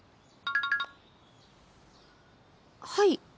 はい。